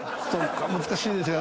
難しいですよね。